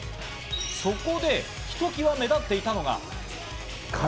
そこで、ひときわ目立っていたのが。